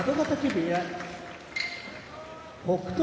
部屋北勝